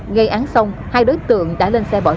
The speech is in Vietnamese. gây án xong hai đối tượng đã lên xe bỏ trốn